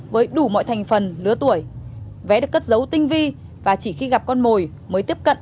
với đủ mọi thành phần lứa tuổi vé được cất dấu tinh vi và chỉ khi gặp con mồi mới tiếp cận